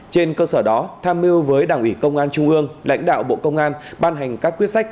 trên cơ sở đó tham mưu với đảng ủy công an trung ương lãnh đạo bộ công an ban hành các quyết sách